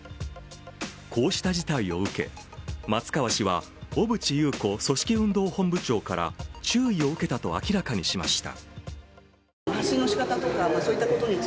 こうした事態を受け、松川氏は小渕優子組織運動本部長から注意を受けたと明らかにしました。